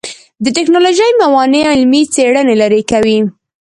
د ټکنالوژۍ موانع علمي څېړنې لرې کوي.